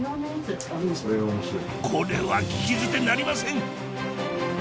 これは聞き捨てなりません